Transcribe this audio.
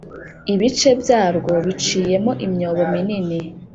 Ibice byarwo biciyemo imyobo minini